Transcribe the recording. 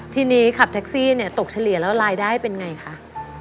ทีนี้ขับแท็กซี่เนี่ยตกเฉลี่ยแล้วรายได้เป็นไงคะ